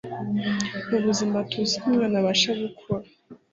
Mu buzima tuziko umwana abasha gukura